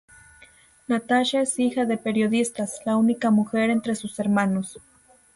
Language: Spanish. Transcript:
Natascha es hija de periodistas, la única mujer entre sus hermanos.